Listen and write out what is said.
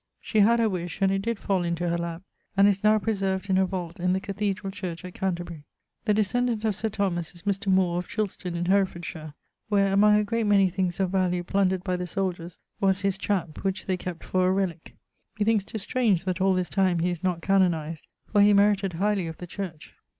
She had her wish, and it did fall into her lappe, and is now preserved in a vault in the cathedrall church at Canterbury. The descendant of Sir Thomas, is Mr. More, of Chilston, in Herefordshire, where, among a great many things of value plundered by the soldiers, was his chap, which they kept for a relique. Methinks 'tis strange that all this time he is not canonized, for he merited highly of the church.